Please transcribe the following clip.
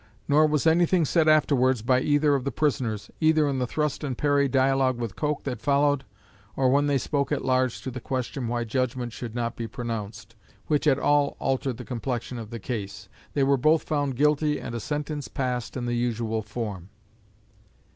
Nor was anything said afterwards by either of the prisoners, either in the thrust and parry dialogue with Coke that followed, or when they spoke at large to the question why judgment should not be pronounced, which at all altered the complexion of the case. They were both found guilty and sentence passed in the usual form."